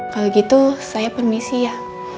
kalau gitu saya permisi ya